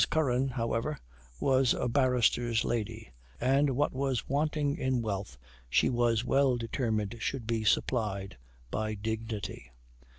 Curran, however, was a barrister's lady, and what was wanting in wealth, she was well determined should be supplied by dignity.